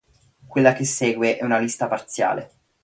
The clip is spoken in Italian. Quella che segue è una lista parziale.